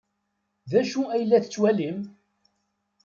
D acu ay la tettwalim?